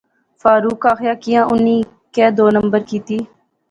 فاروقے آخیا کیاں اُنی کیہہ دو نمبر کیتی